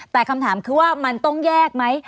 แต่คำถามคือว่ามันต้องแยกไหม